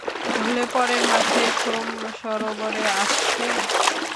তাহলে পরের মাসে সোম সরোবরে আসছেন?